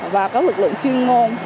và có lực lượng chuyên ngôn